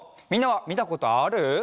みんなはみたことある？